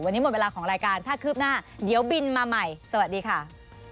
วันนี้หมดเวลาของรายการถ้าคืบหน้าเดี๋ยวบินมาใหม่สวัสดีค่ะ